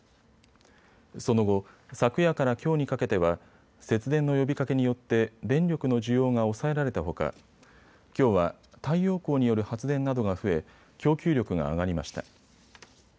その後、昨夜からきょうにかけては節電の呼びかけによって電力の需要が抑えられたほかきょうは太陽光による発電などが増え供給力が上がりました。